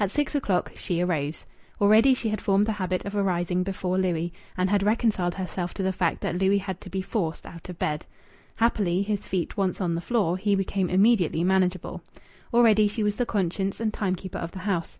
At six o'clock she arose. Already she had formed the habit of arising before Louis, and had reconciled herself to the fact that Louis had to be forced out of bed. Happily, his feet once on the floor, he became immediately manageable. Already she was the conscience and time keeper of the house.